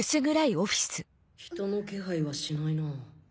人の気配はしないなぁ。